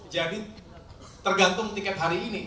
jadi tergantung tiket hari ini